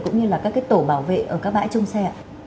cũng như là các tổ bảo vệ ở các bãi trong xe